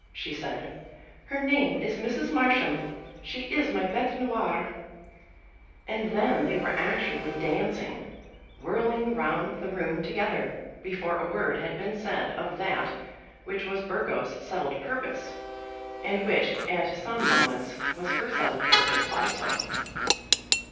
she said. "Her name is Mrs. Marsham; she is my bête noire." And then they were actually dancing, whirling round the room together, before a word had been said of that which was Burgo's settled purpose, and which at some moments was her settled purpose also.